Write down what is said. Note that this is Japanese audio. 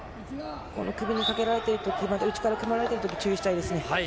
首にかけられている時内から組まれているときに注意したいですね。